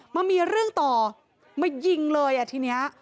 มามีเรื่องต่อมายิงเลยอ่ะทีนี้